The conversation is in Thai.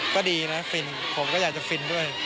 ก็ดีนะฟินผมก็อยากจะฟินด้วย